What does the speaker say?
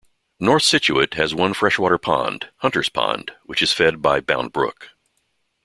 North Scituate has one freshwater pond, Hunter's Pond, which is fed by Bound Brook.